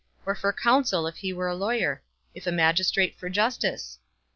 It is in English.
or for counsel, if he were a lawyer? if a magistrate, for justice?